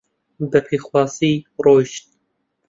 بە پێخواسی ڕۆیشت